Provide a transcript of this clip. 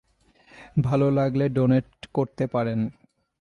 ভালো লাগলে ডোনেট করতে পারেন।